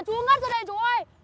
chú ngất ra đây chú ơi